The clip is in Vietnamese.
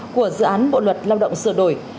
của dự án bộ luật lao động sửa đổi